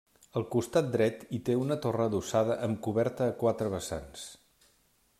Al costat dret hi té una torre adossada amb coberta a quatre vessants.